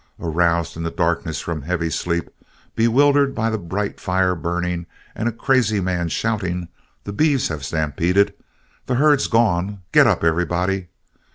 Aroused in the darkness from heavy sleep, bewildered by a bright fire burning and a crazy man shouting, "The beeves have stampeded! the herd's gone! Get up, everybody!"